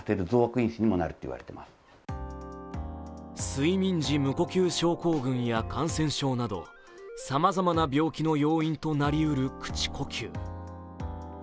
睡眠時無呼吸症候群や感染症などさまざまな病気の要因となりうる口呼吸。